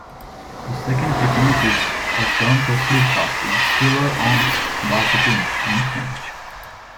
The second technique is a term for slipcasting, "couler en barbotine" in French.